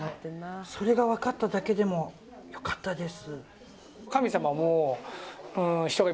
それが分かっただけでも良かったです。